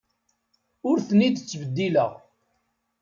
Ur ten-id-ttbeddileɣ.